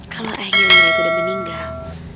kalau ayahnya amira itu udah meninggal